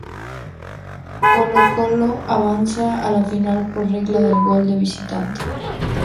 Colo-Colo avanza a la final por regla del gol de visitante.